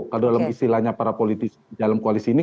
kalau dalam istilahnya para politisi dalam koalisi ini